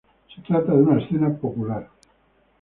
Se trata de una escena popular.